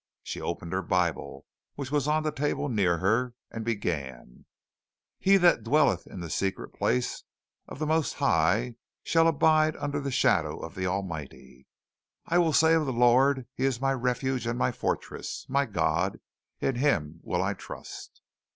She opened her Bible, which was on the table near her, and began: "He that dwelleth in the secret place of the most high shall abide under the shadow of the Almighty. "I will say of the Lord, He is my refuge and my fortress; my God; in him will I trust.